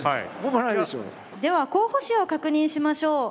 では候補手を確認しましょう。